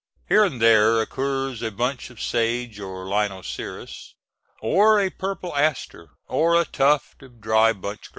Here and there occurs a bunch of sage or linosyris, or a purple aster, or a tuft of dry bunch grass.